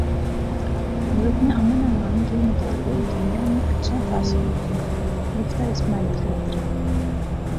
ملک میں امن امان سے متعلق دنیا میں اچھا تاثر نہیں ہے مفتاح اسماعیل کا اعتراف